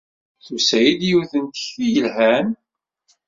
Tusa-iyi-d yiwet n tekti yelhan.